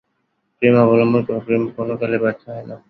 প্রেম অবলন্বন কর, প্রেম কোন কালে ব্যর্থ হয় না।